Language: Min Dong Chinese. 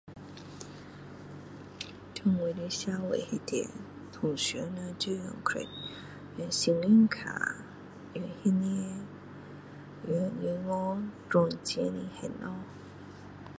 在社会里面通常人就是用信用卡用现钱用银行转钱来还东西